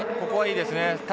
ここはいいですね。